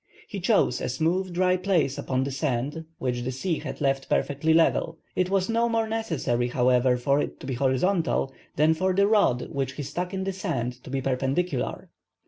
He chose a smooth dry place upon the sand, which the sea had left perfectly level. It was no more necessary, however, for it to be horizontal, than for the rod which he stuck in the sand to be perpendicular.